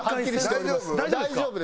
大丈夫？